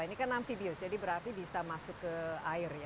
ini kan amfibius jadi berarti bisa masuk ke air ya